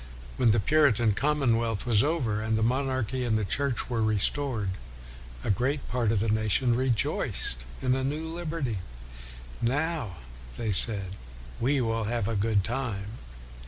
When the Puritan Common wealth was over, and the monarchy and the Church were restored, a great part of the nation rejoiced in a new liberty. " Now," they said, " we will have a good time."